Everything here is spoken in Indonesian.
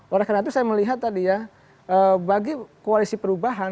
oleh karena itu saya melihat tadi ya bagi koalisi perubahan